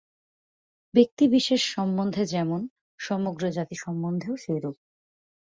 ব্যক্তিবিশেষ সম্বন্ধে যেমন, সমগ্র জাতি সম্বন্ধেও সেইরূপ।